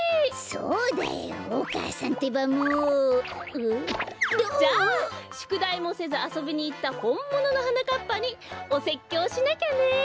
そうだよお母さんってばもう！ん？じゃあしゅくだいもせずあそびにいったほんもののはなかっぱにおせっきょうしなきゃねえ！